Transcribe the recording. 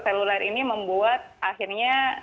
seluler ini membuat akhirnya